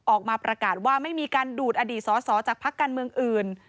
ออกมาประกาศว่าไม่มีการดูดอดีตสอสอจากพักการเมืองอื่น